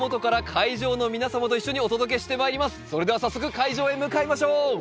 それでは早速会場へ向かいましょう。